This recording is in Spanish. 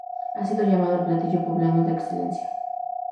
Ha sido llamado el "platillo poblano por excelencia".